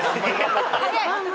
早い。